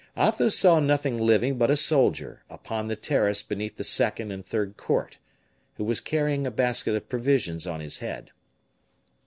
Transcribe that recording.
Athos saw nothing living but a soldier, upon the terrace beneath the second and third court, who was carrying a basket of provisions on his head.